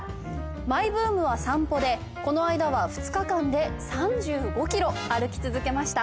マイブームは散歩でこのあいだは２日間で３５ｋｍ歩き続けました。